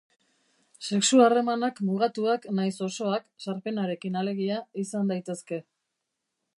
Sexu-harremanak mugatuak nahiz osoak, sarpenarekin alegia, izan daitezke.